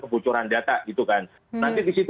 kebocoran data gitu kan nanti disitu